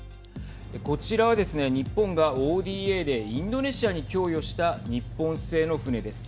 こちらはですね、日本がＯＤＡでインドネシアに供与した日本製の船です。